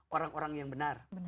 orang yang benar